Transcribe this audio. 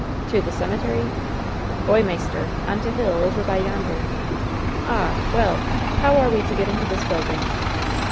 *' "To the cemetery ?'' "Oy, maister, on t' hill, over by yonder." "Ah ! well ! how are we to get into this building?"